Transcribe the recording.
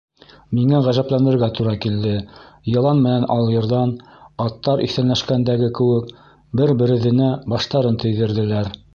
Миңә ғәжәпләнергә тура килде: йылан менән алйырҙан, аттар иҫәнләшкәндәге кеүек, бер-береҙенә баштарын тейҙерҙеләр.